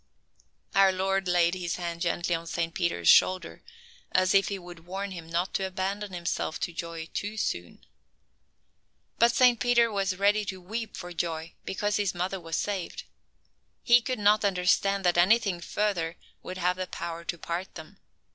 Our Lord laid His hand gently on Saint Peter's shoulder, as if He would warn him not to abandon himself to joy too soon. But Saint Peter was ready to weep for joy, because his mother was saved. He could not understand that anything further would have the power to part them.